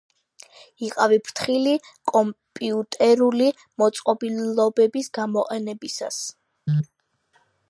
იყავი ფრთხილი კომპიუტერული მოწყობილობების გამოყენებისას